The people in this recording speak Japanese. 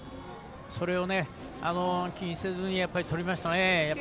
それを気にせずにとりましたね。